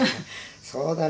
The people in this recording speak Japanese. そうだね。